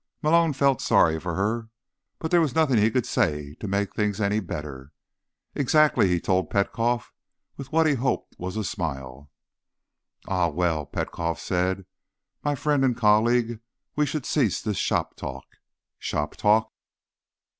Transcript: Malone felt sorry for her, but there was nothing he could say to make things any better. "Exactly," he told Petkoff with what he hoped was a smile. "Ah, well," Petkoff said. "My friend and colleague, we should cease this shoptalk. Shoptalk?"